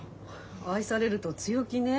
愛されると強気ねえ。